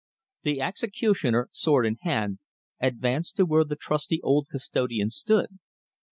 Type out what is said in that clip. The executioner, sword in hand, advanced to where the trusty old custodian stood.